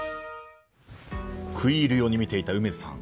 食い入るように見ていた梅津さん。